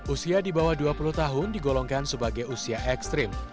usia di bawah dua puluh tahun digolongkan sebagai usia ekstrim